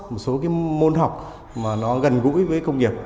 một số cái môn học mà nó gần gũi với công nghiệp